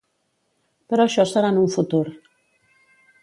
Però això serà en un futur.